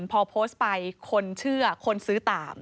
พอโพสต์ไปคนเชื่อคนซื้อตาม